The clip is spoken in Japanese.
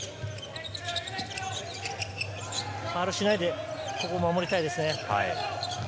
ファウルしないでここは守りたいですね。